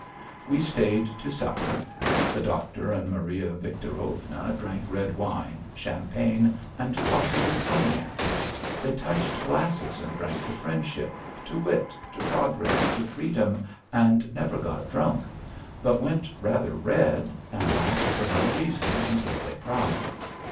We stayed to supper. The doctor and Maria Victorovna drank red wine, champagne, and coffee with cognac; they touched glasses and drank to friendship, to wit, to progress, to freedom, and never got drunk, but went rather red and laughed for no reason until they cried.